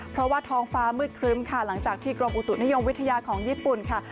เพราะว่าท้องฟ้ามืดครึ้มค่ะหลังจากที่กรมอุตุนิยมวิทยาของญี่ปุ่นค่ะ